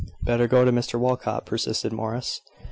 "Better go to Mr Walcot," persisted Morris.